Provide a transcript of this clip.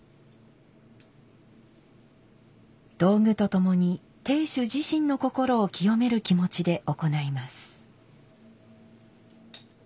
道具とともに亭主自身の心を清める気持ちで行います。